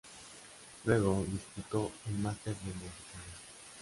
Luego disputó el Masters de Montecarlo.